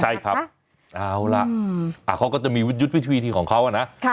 ใช่ครับเอาล่ะเขาก็จะมียุทธวิธีของเขานะ